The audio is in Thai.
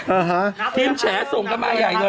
อ่าฮะครับทีมแฉส่งมาใหญ่เลย